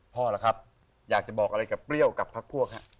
ล่ะครับอยากจะบอกอะไรกับเปรี้ยวกับพักพวกครับ